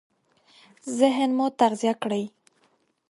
ذهن مو تغذيه کړئ!